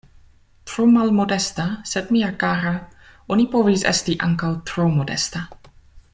Tro malmodesta? Sed mia kara, oni povas esti ankaŭ tro modesta.